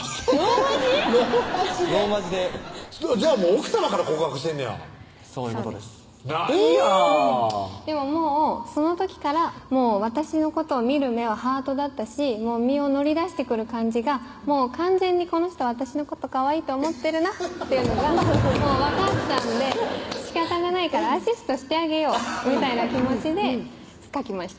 なんやでももうその時から私のことを見る目はハートだったし身を乗り出してくる感じがもう完全にこの人私のことかわいいと思ってるなっていうのが分かったんでしかたがないからアシストしてあげようみたいな気持ちで書きました